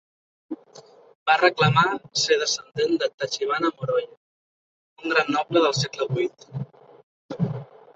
Va reclamar ser descendent de Tachibana Moroye, un gran noble del segle VIII.